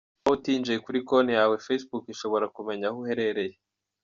Nubwo waba utinjiye kuri konti yawe, Facebook ishobora kumenya aho uherereye.